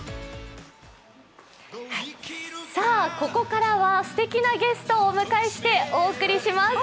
ここからはすてきなゲストをお迎えしてお送りいたします。